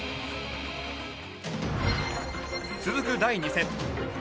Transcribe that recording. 続く第２戦。